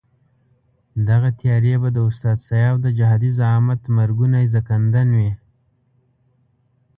دغه تیاري به د استاد سیاف د جهادي زعامت مرګوني ځنکندن وي.